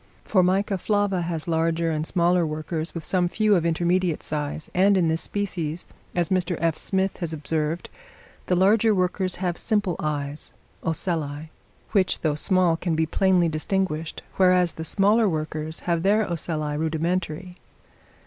Formica flava has larger and smaller workers, with some few of intermediate size; and, in this species, as Mr. F. Smith has observed, the larger workers have simple eyes (ocelli), which, though small, can be plainly distinguished, whereas the smaller workers have their ocelli rudimentary.